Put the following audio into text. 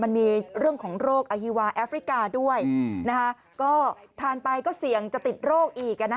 มันมีเรื่องของโรคอฮีวาแอฟริกาด้วยนะคะก็ทานไปก็เสี่ยงจะติดโรคอีก